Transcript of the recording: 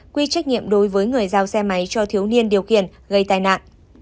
quy trách nhiệm đối với người giao xe máy cho thiếu niên điều khiển gây tai nạn